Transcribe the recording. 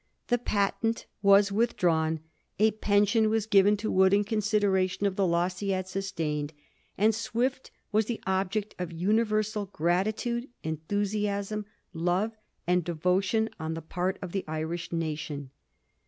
The patent was with drawn, a pension was given to Wood in consideration of the loss he had sustained, and Swift was the object of universal gratitude, enthusiasm, love, and devotion, on the part of the Irish nation.